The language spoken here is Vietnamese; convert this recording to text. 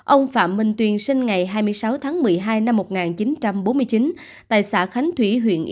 ông phạm minh tuyên sinh ngày hai mươi sáu tháng một mươi hai năm một nghìn chín trăm bốn mươi chín tại xã khánh thủy